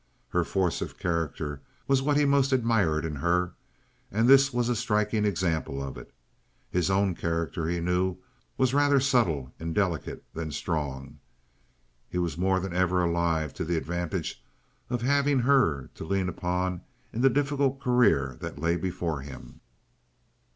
Her force of character was what he most admired in her, and this was a striking example of it. His own character, he knew, was rather subtile and delicate than strong. He was more than ever alive to the advantage of having her to lean upon in the difficult career that lay before him.